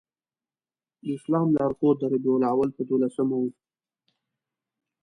د اسلام لار ښود د ربیع الاول په دولسمه و.